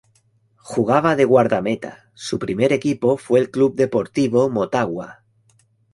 Jugaba de guardameta, su primer equipo fue el Club Deportivo Motagua.